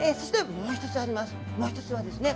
もう１つはですね